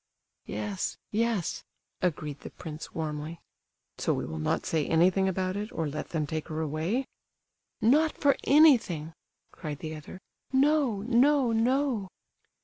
"Yes, yes," agreed the prince, warmly. "So we will not say anything about it, or let them take her away?" "Not for anything!" cried the other; "no, no, no!"